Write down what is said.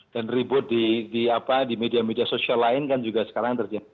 dan ribut di apa di media media sosial lain kan juga sekarang terjadi